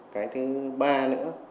cái thứ ba nữa